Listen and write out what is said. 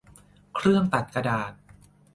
เครื่องตัดกระดาษ